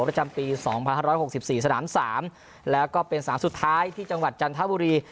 ประจำปี๒๕๖๔สนาม๓แล้วก็เป็นสนามสุดท้ายที่จังหวัดจันทบุรี